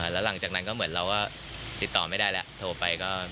แล้วหลังจากนั้นก็เหมือนเราติดต่อไม่ได้ละโทรไปก็ไม่รับ